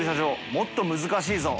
もっと難しいぞ。